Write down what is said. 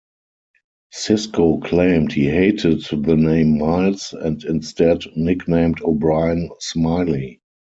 Sisko claimed he hated the name Miles, and instead nicknamed O'Brien "Smiley".